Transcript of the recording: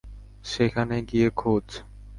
সেখানে গিয়ে খোঁজ।